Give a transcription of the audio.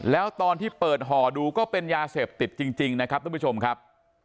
แล้วตอนที่เปิดห่อดูก็เป็นยาเสพติดจริงนะครับทุกผู้ชมครับ